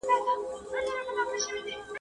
o مړی چي خداى شرموي، پر تخته گوز واچوي.